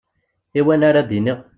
I wana ara d-iniɣ?